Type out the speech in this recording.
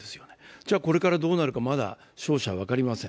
じゃこれからどうなるかまだ勝者は分かりません。